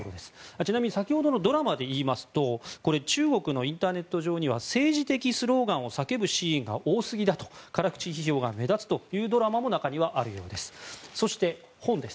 ちなみに先ほどのドラマで言いますと中国のインターネット上には政治的スローガンを叫ぶシーンが多すぎだと辛口批評が目立つというドラマも中にはあるようです。